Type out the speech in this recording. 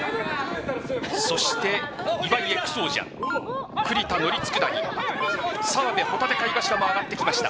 そして岩井ＸＯ醤栗田のりつくだ煮澤部帆立貝柱も上がってきました。